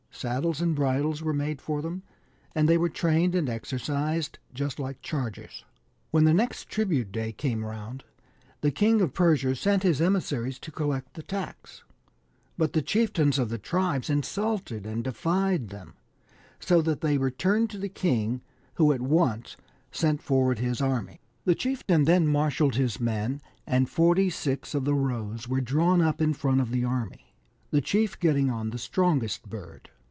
Saddles and bridles were made for them, and they were trained and exercised just like chargers. When the next tribute day came round, the King * Can this have anything to do with the idea of walling in the cuckoo ? 24 Origin of the Welsh. of Persia sent his emissaries to collect the tax, but the chieftains of the tribes insulted and defied them, so that they returned to the king, who at once sent forward his army. The chieftain then marshalled his men, and forty six of the Rohs were drawn up in front of the army, the chief getting on the strongest bird.